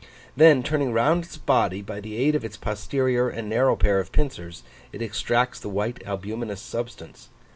Then turning round its body, by the aid of its posterior and narrow pair of pincers, it extracts the white albuminous substance.